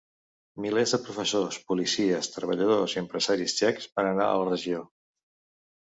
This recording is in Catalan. Milers de professors, policies, treballadors i empresaris txecs van anar a la regió.